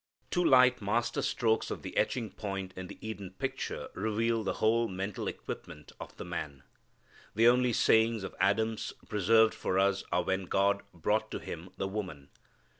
Two light master strokes of the etching point in the Eden picture reveal the whole mental equipment of the man. The only sayings of Adam's preserved for us are when God brought to him the woman.